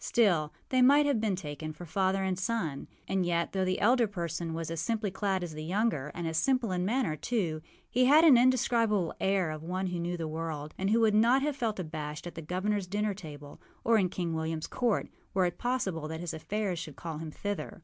Still they might have been taken for father and son. And yet, though the elder person was as simply clad as the younger, and as simple in manner too, he had an indescribable air of one who knew the world, and who would not have felt abashed at the governorâs dinner table or in King Williamâs court, were it possible that his affairs should call him thither.